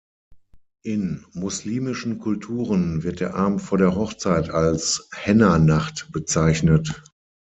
In muslimischen Kulturen wird der Abend vor der Hochzeit als Henna-Nacht bezeichnet.